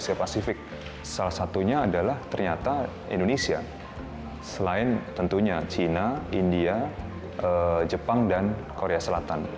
selain tentunya china india jepang dan korea selatan